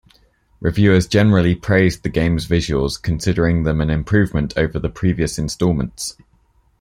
Reviewers generally praised the game's visuals, considering them an improvement over the previous installments.